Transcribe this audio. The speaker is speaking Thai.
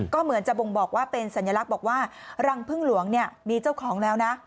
ก็เหมือนจะบ่งบอกว่าเป็นสัญลักษณ์บอกว่ารังพึ่งหลวงเนี่ยมีเจ้าของแล้วนะ